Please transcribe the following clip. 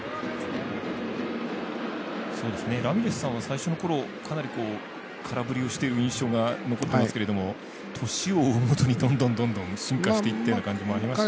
ラミレスさんは最初のころかなり空振りをしてる印象が残ってますけど年を追うごとにどんどん、どんどん進化していってみたいな感じもありましたね。